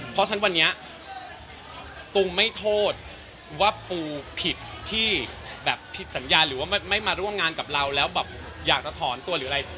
เพราะฉะนั้นวันนี้ตูมไม่โทษว่าปูผิดที่แบบผิดสัญญาหรือว่าไม่มาร่วมงานกับเราแล้วแบบอยากจะถอนตัวหรืออะไร